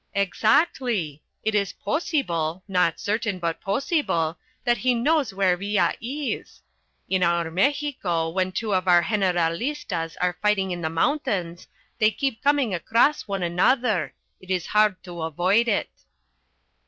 "Exactly. It is possible not certain but possible, that he knows where Villa is. In our Mexico when two of our generalistas are fighting in the mountains, they keep coming across one another. It is hard to avoid it."